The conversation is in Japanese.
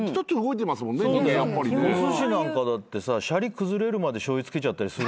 おすしなんかだってしゃり崩れるまでしょうゆつけちゃったりする。